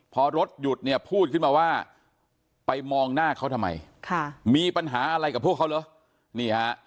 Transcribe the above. พอรถหยุดเนี่ยพูดขึ้นมาว่าไปมองหน้าเขาทำไมมีปัญหาอะไรกับพวกเขาเหรอนี่ฮะ